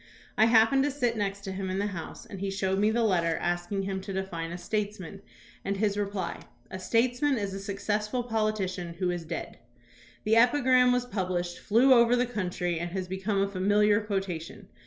I happened to sit next to him in the House, and he showed me the letter asking him to THOMAS BRACKETT REED 191 define a statesman, and his reply, "A statesman is a successful politician who is dead." The epigram was published, flew over the country, and has become a familiar quotation.